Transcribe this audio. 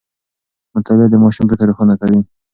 مطالعه د ماشوم فکر روښانه کوي.